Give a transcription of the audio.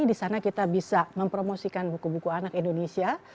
di sana kita bisa mempromosikan buku buku anak indonesia